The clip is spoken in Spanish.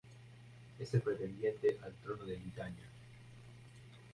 Es el pretendiente al trono de Lituania.